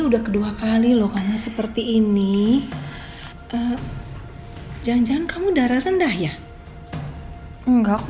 udah kedua kali loh karena seperti ini jangan jangan kamu darah rendah ya enggak aku